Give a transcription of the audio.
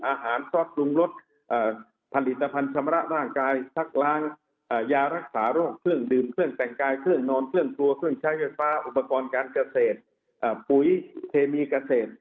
อาหารซอสปรุงรสผลิตภัณฑ์ชำระร่างกายชักล้างยารักษาโรคเครื่องดื่มเครื่องแต่งกายเครื่องนอนเครื่องครัวเครื่องใช้ไฟฟ้าอุปกรณ์การเกษตรปุ๋ยเคมีเกษตร